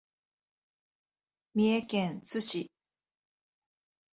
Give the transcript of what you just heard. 三重県津市